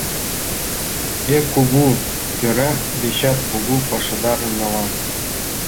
Эн кугу тӧра дечат кугу пашадарым налам.